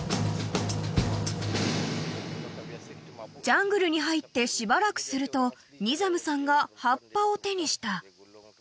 ［ジャングルに入ってしばらくするとニザムさんが葉っぱを手にした］